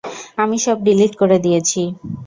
আমি সব ডিলিট করে দিয়েছি।